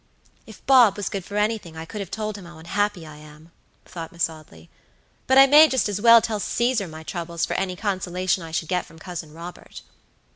"If Bob was good for anything I could have told him how unhappy I am," thought Miss Audley; "but I may just as well tell Caesar my troubles for any consolation I should get from Cousin Robert."